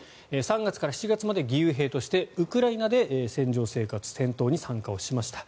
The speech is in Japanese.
３月から７月まで義勇兵としてウクライナで戦場生活戦闘に参加をしました。